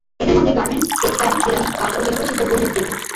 এদের মধ্যে garments, textile, ceramic, কাচ ও কেমিক্যাল শিল্প উল্লেখযোগ্য।